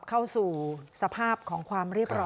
เหมือนบ้านเป็นบ้านเลยเหรอ